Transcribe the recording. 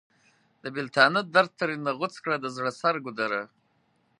د بیلتانه درد ترېنه غوڅ کړ د زړه سر ګودره!